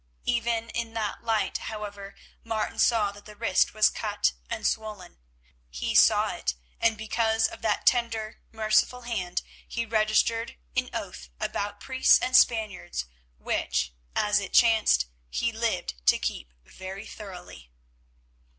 Even in that light, however, Martin saw that the wrist was cut and swollen. He saw it, and because of that tender, merciful hand he registered an oath about priests and Spaniards, which, as it chanced, he lived to keep very thoroughly.